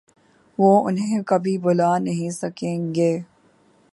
وہ انہیں کبھی بھلا نہیں سکیں گے۔